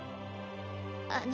あの